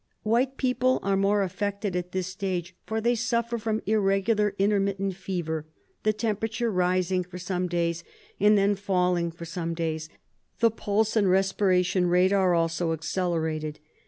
White people are more affected at this stage, for they suffer from irregular intermittent fever, the temperature rising for some days and then falling for some days ; the pulse and respiration rate are also accelerated.